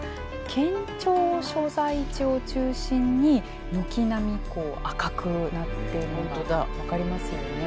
県庁所在地を中心に軒並み赤くなっているのが分かりますよね。